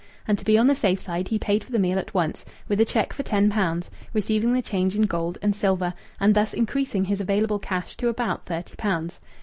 And to be on the safe side he paid for the meal at once, with a cheque for ten pounds, receiving the change in gold and silver, and thus increasing his available cash to about thirty pounds.